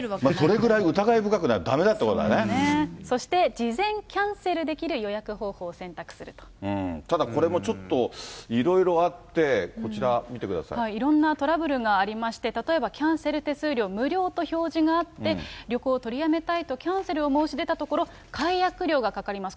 それぐらい疑い深くそして事前キャンセルできるただこれもちょっといろいろいろんなトラブルがありまして、例えば、キャンセル手数料無料と表示があって、旅行取りやめたいとキャンセルを申し出たところ、解約料がかかります。